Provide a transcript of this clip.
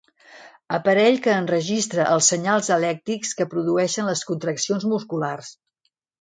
Aparell que enregistra els senyals elèctrics que produeixen les contraccions musculars.